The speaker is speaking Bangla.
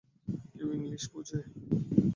কেউ ইংলিশ বোঝে?